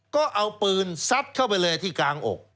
ก็เอาปืนซัดเข้าไปเลยที่กลางอก